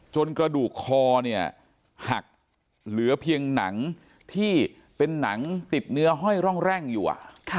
กระดูกคอเนี่ยหักเหลือเพียงหนังที่เป็นหนังติดเนื้อห้อยร่องแร่งอยู่